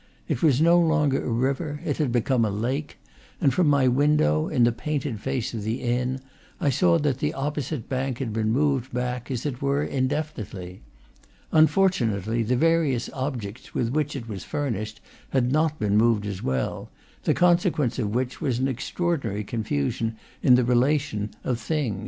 It was no longer a river, it had become a lake; and from my window, in the painted face of the inn, I saw that the opposite bank had been moved back, as it were, indefinitely. Unfortunately, the various objects with which it was furnished had not been moved as well, the consequence of which was an extraordinary confusion in the relations of thing.